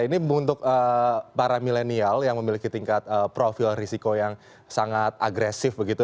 ini untuk para milenial yang memiliki tingkat profil risiko yang sangat agresif begitu